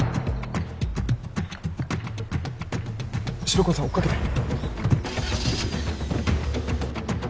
白熊さん追っ掛けて。